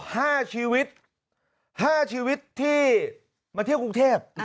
ห้าชีวิตห้าชีวิตที่มาเที่ยวกรุงเทพ